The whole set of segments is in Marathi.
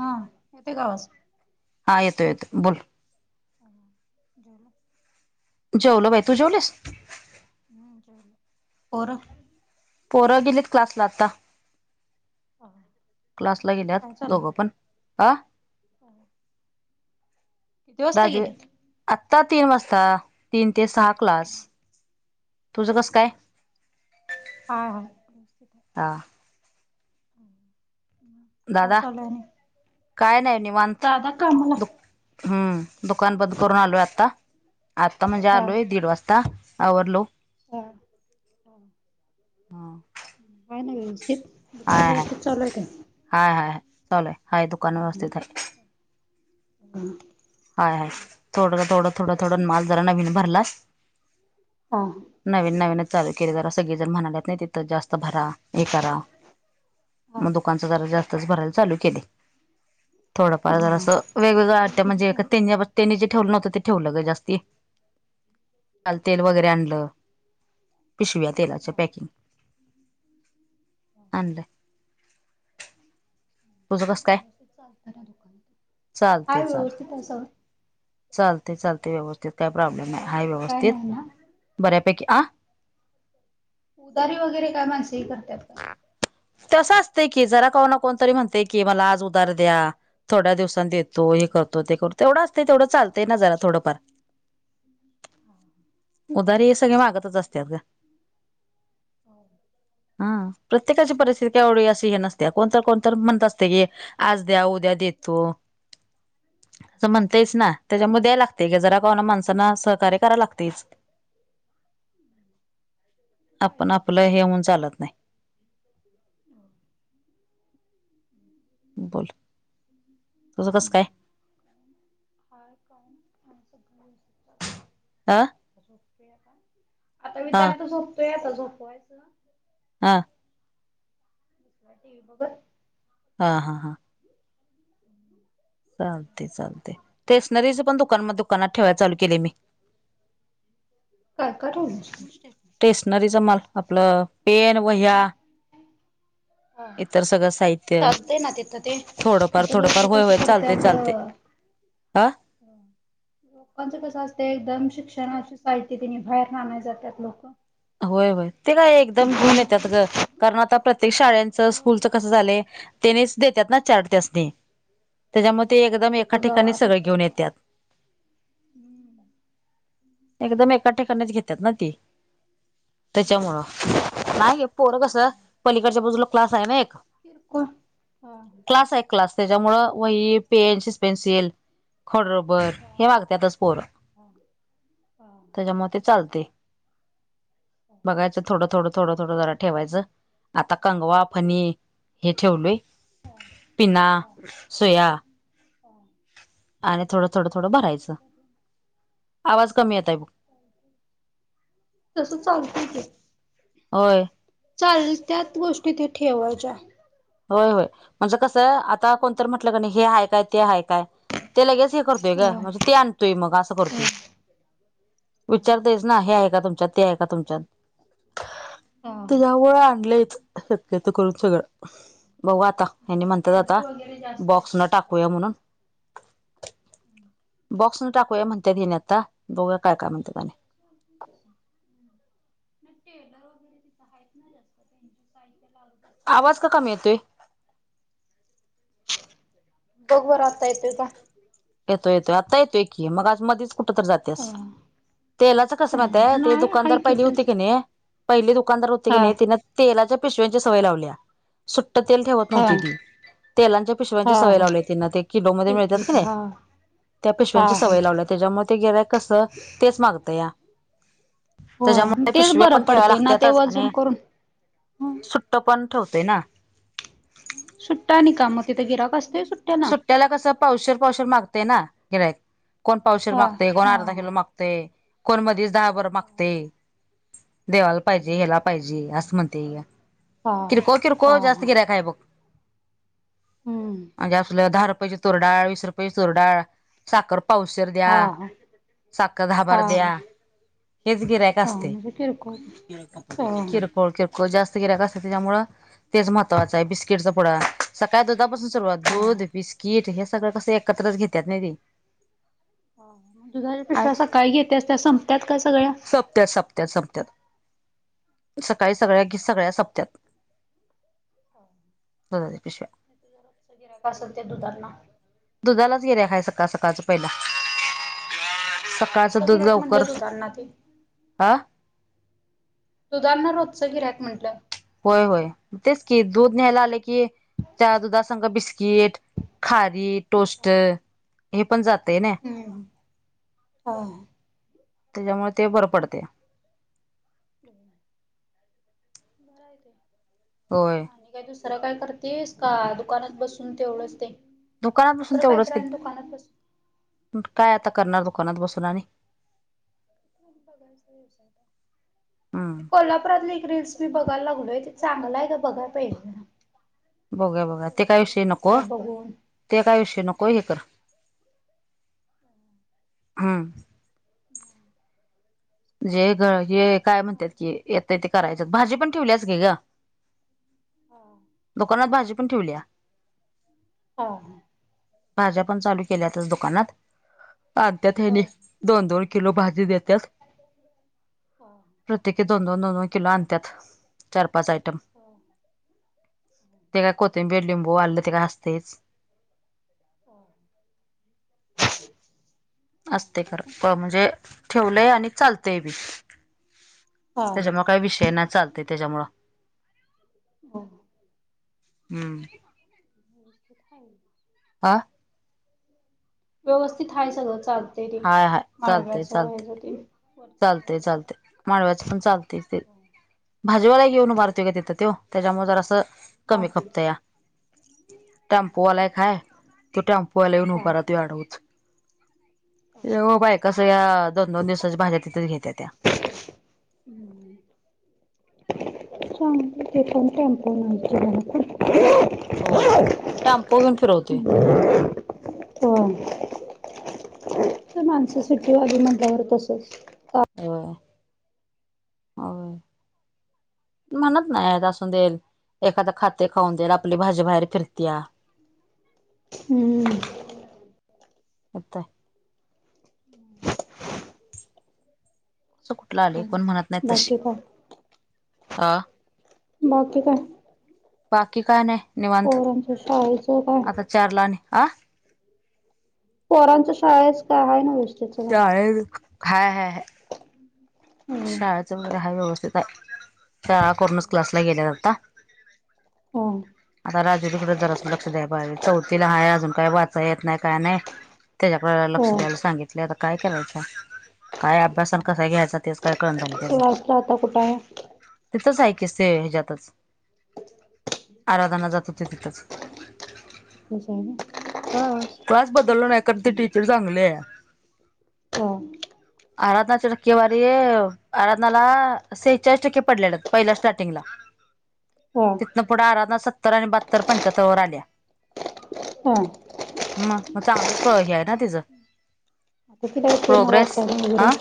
हा येतोयकाआवाज हा येतो येतो बोल जल जावलो बाई तू जेवलीस पोर पोरं गेलेत क्लासला आता हो क्लासला गेल्यात लोघं पण ह ह राजू गेलेत? आत्ता तीन वाजता तीन ते सहा क्लास तुझं कस काय हा हस्थित आहे हां हो दादा काय नाही निवांत दादा कामाला दुख हम्म दुकान बंद करून आलोय आता आता म्हणजे आलोय दीड वाजता आवरलो हा ह काय ना व्यवस्थित काय हाय हाय व्यवस्थित चालूय काय हाय हायय चालु हाय दुकान व्यवस्थितय ह हाय हय थोडं थोडं थोडं थोडं माल जरा नवीन भरलास हा नवीन नवीनच चालू केले ज असं गी जर म्हणाल्यात नाही तिथं जास्त भरा हे करा हा हा. मग दुकानचा दरा जास्तच भरायला चालू केले थोडंफार जर असं वेगवेगं आयटम म्हणजे तेनी जे ठेवलं नव्हं ते ठेवलंगे जास्त काल तेल वगैरे आणलं पिशव्या तेलाच पॅकिंग आणे हम्. तुझं का कसं काय ना व्यवस्थित चालत दुकानात काय चालते हे चालते व्यवस्थित आह सगळं. चालते चालते व्यवस्थित काय प्रॉब्लेम नाही. उधारी आहे वगैरे काय व्यवस्थित नाही ना? बऱ्यापैकी आ उदारी वगैरे काय माणसं हे करतात पण तसं असतय की जरा कोणा कोण तरी म्हणते की मला आज उदार द्या थोड्या दिवसांनी देतो करतो ते करतो एवढं असत तेवढं चालतय ना जरा थोडंफार उदारी हे सगळे मागतच असतात ग. हो. हम प्रत्येकाची परिस्थिती एवढी अशी हे नसते कोणतर कोणतर म्हणत असते की आज द्या उद्या देतो. असं म्हणताईस ना त्याच्यामुळे द्या लागते क जरा का होईना माणसांना सहकार्य करा लागते. [inaudible] ते आपण पाहिजेच आपलं तेवढं. हेऊन चालत. [inaudible] बोल हम्. तुझं कसं काय? [inaudible] आ आता मी हा [unintelligible] झोपतोय आता झोपवायच. हा [inaudible] हा हा हां. चालतय चालतय. स्टेशनरी च पण दुकानात ठेवायला चालू केले मी. काय काय ठेवता. स्टेशनरीचा माल आपलं पेन, वह्या हा इतर सगळं साहित्य चालतंय ना तिथं ते. थोडंफार आता थोडंफार लोक होय कशी होय चालते करत्यात चालते. हा. [unintelligible] लोकांचं कसं असतंय एकदम शिक्षणाची साहित्य त्यांनी बाहेरणं आणाय जात्यात लोकं. होय होय. ते काय एकदम घेऊन येत्यात गं कारण आता प्रत्येक त्येक शाळेचं स्कूलच कसं झालंय तेनीच देत्यात ना चार्ट त्यासनी त्याच्यामुळे ते होय. एकदम एका इथं ठिकाणी जावा सगळे तिथं घेऊन जावा. येतात. हम्म. एकदम एका ठिकाणीच घेतात ना ती. होय. त्याच्यामुळं नाही गे पोरं कसं होय. पलीकडच्या बाजूला क्लास आहे ना एक ह क्लास आहे क्लास त्याच्यामुळ वही, पेन, शिस्पेन्सिल पेन्सिल खोडरबर हे मागत्यातच पोर त्याच्यामुळे ते चालते. बघायचं थोडं, थोडं, थोडं, थोडं जरा ठेवायंच. आता कंगवा, फणी हे ठेवलोय पिना, सुया हो. आणि थोडं-थोडं -थोडं भरायचं. आवाज कमी येताय. तसं चालतंय की होय चालत्यात गोष्टी त्या ठेवायच्या. होय होय म्हणजे कसं आता कोणतर म्हटलं की नाही, हे आहे काय, ते हाय काय? ते लगेच हे करतोय गं हम म्हणजे ते आणतोय मग असं करतोय. विचारतयच ना हे आहे का तुमच्यात? ते आहे का तुमच्यात? हा. त्यामुळं आणलंयच शक्यतो करून सगळं बघू आता हेनी तिथं म्हणतात आता टेलर वगैरे जास्त आहेत बॉक्सनं ना तिथं टाकू या म्हणून. [unintelligible] बॉक्सन टाकूया म्हणत्यात हेनी आता बघूया काय काय म्हणत्यात आणि [unintelligible] म टेलर वगैरे तिथं आहेत ना जास्त त्यांच साहित्य लावत असणं आवाज का कमी येतोय? बघ बरं आता येतोय का? येतो येतोय आता येतोय की मगाचं मधीच कुठं तर जात त्यास तेलाचं कसं माहितीय ते नाही हाय दुकानदार पहिली होती तेच की नय पहिली दुकानदार होते की हा नाय तिनं तेलाच्या पिशव्यांची सवय लावल्या. सुट्ट तेल ठेवत हा नव्हती ती तेलांच्या पिशव्यांची सवय हा हा लावली तिनं ते किलोमध्ये ठीक मिळत्यात कि आहे नाय हा त्या हा पिशव्यांची हा सवय लावल्या त्याज्यामुळं ते गिऱ्हाईक कस तेच मागतया त्याज्यामुळं होय त्या तेच पिशव्या बरं पण ठेवायं पडतंय ना ते लागत्यातच वजन आणि करून सुट्टं पण ठेवतोय ना. सुट्टा आणि का मग तिथं गिराक असतयं? सुट्टयाला कसं पावशेर -पावशेर मागतयं ना गिऱ्हायक कोण पावशेर हा मागतयं, कोण हा अर्धा हा किलो माग तय कोण मधीच दहाबर मागतयं देवाला पाहिजे, ह्याला पाहिजे, असं म्हणतयं हा किरकोळ किरकोळ हा जास्त गिराईक हाय बघ. हूं अजि असलं दहा रुपयाची तुरडाळ, वीस रुपयाची तुरडाळ, साखर पावशर दया, हा हा साखर दहाबार हा दया. हा हेच गिरार्ईक असतंय म्हणजे किरकोळ हा किर कोळ किरकोळ जास्त गिराईक असतयं त्याज्यामुळं तेच महत्वाचं आहे बिस्किटचा पुडा सकाळी दुधापासून सुरुवात हा दूध बिस्किट हे सगळं कसं एकत्रच घेत्यात नाय ते हा हा म दुधाच्या पिशव्या सकाळी घेत्यास त्या संपतात का सगळ्यां? सपत्या, सपत्या, समंत्यात सकाळी सगळ्या की सगळ्या सपत्यात. दुधाच्या पिशव्या गिराइक असणं ते दुधांना दुधालाच गिरायक हाय सकाळ सकाळ च पहिला सकाळचं रोजचं दूध गिरायक लवकर म्हटलं दुधांना ते आं दूधांना रोजचं गिऱ्यायक म्हटलं होय होय म तेच की दूध न्यायला आले की त्या दुधा संग बिस्किट खारी टोस्ट हे पण जातयं ना. हम्म हा त्याज्यामुळं ते बरं पडतयं. [unintelligible] बरं हाय काय? होय. आणि काय दुसरं काय करतीस का दुकानात बसून तेवढंच ते दुकानात बसून तर काय तेवढंच तरी की आण दुकानात बसून काय आता करणार दुकानात बसून आणि ते हम्म कोल्हापुरातली एक रील्स - मी बघायला लागलोय ते चांगलं हाय का बघा पहिल. बघुया बघुया ते काय विषय नको बसल्या बघून ते काय विषय नको हे कर हम्म जे ग हे काय हा म्हणतेत की येतय ते करायच भाजी पण ठेवल्यास की गं दुकानात भाजी पण ठेवल्या. हो. भाज्या पण चालू केल्यातच दुकानात आणत्यात हा ह्यांनी दोन दोन किलो भाजी देत्यात. हम प्रत्येकी दोन दोन दोन दोन किलो आणत्यात. चार पाच आयटम हा ते काय कोथिंबीर लिंबू आलं ते का असतेच. [unintelligible] असते खरं अ म्हणजे ठेवलंय आणि चालतंय बी हा त्याच्यामुळे काय विषय नाही चालते त्याच्यामुळं हो हम्म आहेत अ व्यवस्थित हाय सगळं चालते ते हाय माळव्याच ह्याच ते वरच्यावर चालते चालते माळव्याचं पण चालते ते भाजीवाला घेऊन उभारते का तिथ त्यो त्याच्यामुळे जरास हा कमी खपतंया टॅम्पोवाला एक हाय तो टॅम्पोवाला येऊन हा उभारतो तो आडवच बायका सगळ्या दोन दोन दिवसाच्या भाज्या तिथंच घेतेत्या [unintelligible] [unintelligible] होय टॅम्पो घेऊन फिरवतो. होय तर माणसं सिटीवाली ना तसंच होय अजून म्हणत नाही असून दे एखादा खाते खाऊन जर आपले भाजे बाहेर फिरती या हम्म आता [unintelligible] कुठला लेख पण म्हणत नाही तशी बाकी काय? अ बाकी काय? बाकी काय नाय पोरांच शाळेचं काय? चारला आणि आ पोरांच शाळेच काय आहे ना विशेष चाले [unintelligible] हा हा ह हम्म. शाळचं वगैरे हाय व्यवस्थित हाय शाळा करूनच क्लासला गेल्या आता होय आता राजूरी कड जरा असं लक्ष द्याय पाहिजे चौथी ला हाय अजून काय वाचाया येत नाही काय नाही. त्याच्या कडे लक्ष हा द्यायला सांगितले काय करायचं काय अभ्यास कसा घ्यायच तेच तेच कळायला [inaudible] क्लासला आता कुठं आहे तिथंच ऐकस ते हेज्यातच आराधना जात होते तिथंच तस आहे ना [unintelligible] हा क्लास बदललो नाही कारण ते टीचर चांगली आहे. होय आराधनाची टक्केवारी आराधनाला सेचाळीस टक्के पडलेला पहिला स्टार्टिंगला हा तिथंन पुढे आराधना सत्तर आणि बहत्तर पंचाहत्तवर आल्या हम्म म मग चांगलंच प्रगती आहे ना तिच आता तिला येते ना वाचायला वगैरे अ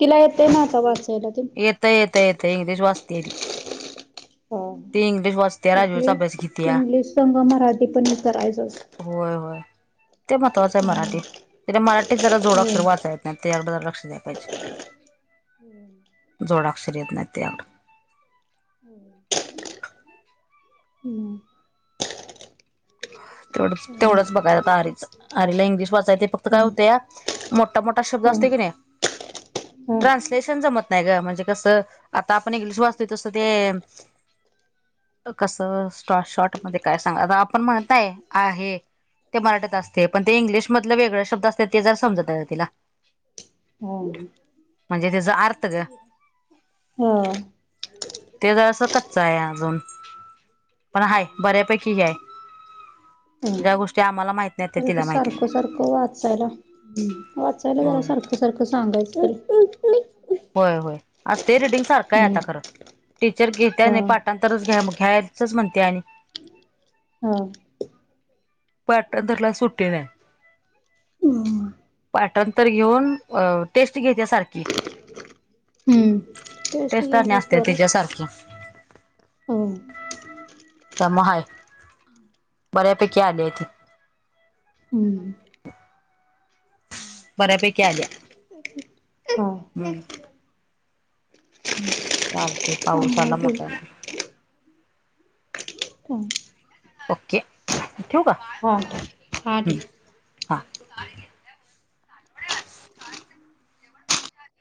तिला येते ना आता वाचायला ते येतय येतय येतय इंग्लिश वाचत्या ती हा. ती इंग्लिश वाचत्या राजवीर चा इथले अभ्यास घेतेया इंग्लिश संग मराठी पण हे करायचं असतं. होय होय. ते महत्वाचं आहे मराठी. इथ मराठीत जरा जोडाक्षर हम्म. वाचाय त्या अगोदर लक्ष द्या पाहिजे. जोडक्षर येत नाही ते एवड हं. हं. तेढच हम्म तेवढंच बघायला आता आरीच. आरीला इंग्लिश वाचायं येतय. फक्त काय हम्म होतया मोठा मोठा शब्द असत हम्म की नाही. हम्म ट्रान्सलेशन जमत नाही ग. म्हणजे कसं आता आपण इंग्लिश वाचतोय तसं ते कसं स्टॉ शॉर्ट मध्ये काय सांग? आता आपण म्हणत नाय आहे ते मराठीत असते. पण ते इंग्लिश मधले वेगळे शब्द असते ते जर समजत नाय तिला. [inaudible] म्हणजे त्याचा अर्थ ग. हं. ते जरासं कच्च आहे अजून. पण हाय बऱ्यापैकी हे आहे. ज्या गोष्टी आम्हाला माहित नाहीत त्या त्याच्यात ते तिला माहिती सारखं आहे सारखं वाचायला, वाचायला जरा होय सारखं सारखं सांगायचं. होय होय. असते रिडिंग सारखं आहे हम्म आता खरं. टीचर घेत्या हा आणि पाठ ठांतरच घ्या घ्यायचच म्हणते आणि. हं. पाठांतरला सुट्टी नाही. हं. पाठांतर घेऊन, अ टेस्ट घेत्या सारखी. हं. टेस्ट आणि घलाच [unintelligible] असते बर. तिच्यासारखी हो. त्यामुळं हाय. बऱ्यापैकी आले आहे तिथ. हं. बऱ्यापैकी आलिया. हा हं, चालते, चांगलं आहे पाऊसाला ते मोठा. ओके. ठेवू का? हा हा हम. ठीक